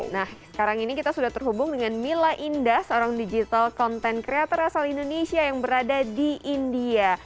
nah sekarang ini kita sudah terhubung dengan mila indah seorang digital content creator asal indonesia yang berada di india